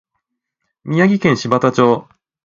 宮城県柴田町